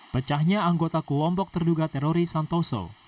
pecahnya anggota kelompok terduga teroris santoso